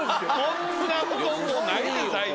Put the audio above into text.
こんな布団ないで最近。